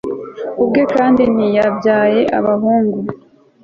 ubwe kandi ntiyabyaye abahungu